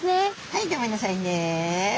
はいギョめんなさいね。